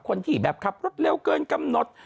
คนที่แบบขับรถเร็วเกินกำหนด